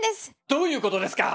どういうことですか